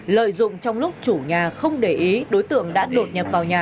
lợi dụng trong lúc chủ nhà không để ý đối tượng đã đột nhập vào nhà